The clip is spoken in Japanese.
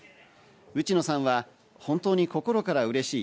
内野さんは本当に心から嬉しい。